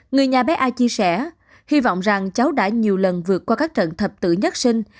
người nhà bé ai chia sẻ hy vọng rằng cháu đã nhiều lần vượt qua các trận thập tử nhất sinh